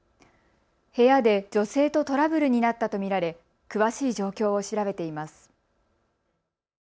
部屋で女性とトラブルになったと見られ詳しい状況を調べています。